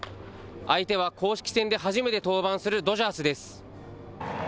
相手は公式戦で初めて登板するドジャースです。